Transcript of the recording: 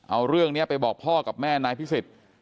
เอาเรื่องนี้ไปบอกพ่อกับแม่นายพิสิทธิ์